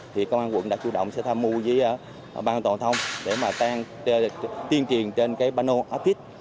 thì công an quận đã chủ động sẽ tham mưu với ban an toàn thông để mà tiên truyền trên cái panel office